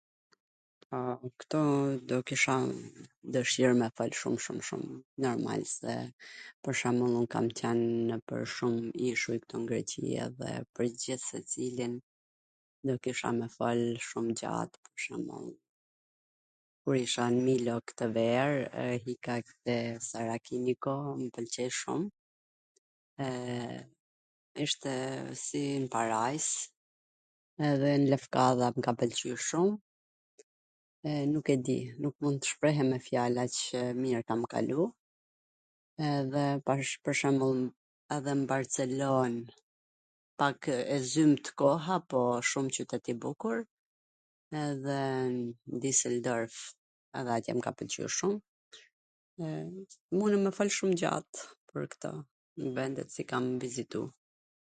Ktu do kisha dwshir me fol shum shum shum, normal se pwr shwmbull un kam qwn nw shum ishuj ktu n Greqi, edhe pwr gjithsecilin do kisha me fol shum gjat, pwr shwmbull kur isha n Milo ktw ver, nw Saraqiniko, mw pwlqeu shum, e ishte si n parajs, edhe Lefkadha mw ka pwlqy shum, e nuk e di, nuk mund tw shprehem me fjal, aq mir kam kalu, pwr shwmbull, edhe n Barcelon pak e zymt koha, po shum qytet i bukur, edhe n Dyseldorf, edhe atje mw ka pwlqy shum, e munem me fol shum gjat pwr kto, vendet qw kam vizitu.